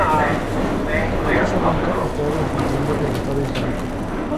Que la Casa Blanca está defendiendo el Estado Islámico"".